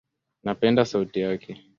Napenda sauti yake